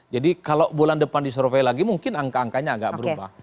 jadi kalau bulan depan disurvei lagi mungkin angka angkanya agak berubah